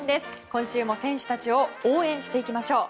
今週も選手たちを応援していきましょう。